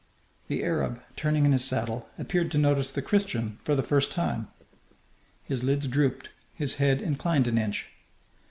The Arab, turning in his saddle, appeared to notice the Christian for the first time. His lids drooped; his head inclined an inch.